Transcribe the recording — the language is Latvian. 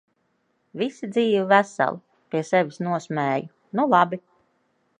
Visi dzīvi, veseli! Pie sevis nosmēju: "Nu labi!".